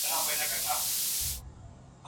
زه به نور داسې کار نه کوم چې خپل رب ته ملامت اوسم